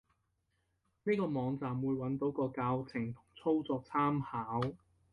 呢個網站，會揾到個教程同操作參考